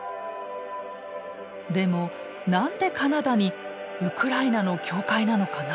でも何でカナダにウクライナの教会なのかな？